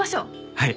はい。